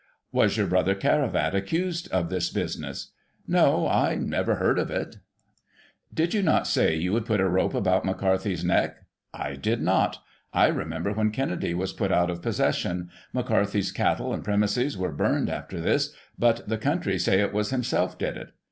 Was your brother Caravat accused of this business ?— No, I never heard of it. Digitized by Google i68 GOSSIP. [1841 Did you not say you would put a rope about McCarthy's neck ?— I did not I remember when Kennedy was put out of possession. McCarthy's cattle and premises were burned after this, but the coimtry say it was himself did it.